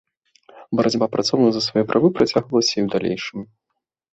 Барацьба працоўных за свае правы працягвалася і ў далейшым.